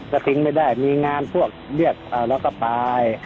ก็ทิ้งไม่ได้มีงานพวกเรียกแล้วก็ปลาย